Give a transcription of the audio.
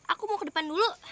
aku mau ke depan dulu